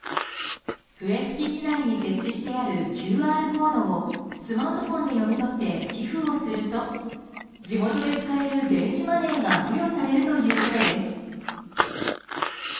笛吹市内に設置してあるＱＲコードをスマートフォンで読み取って寄付をすると地元で使える電子マネーが付与されるということです。